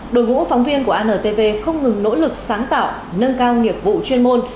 đội ngũ phóng viên của antv không ngừng nỗ lực sáng tạo nâng cao nghiệp vụ chuyên môn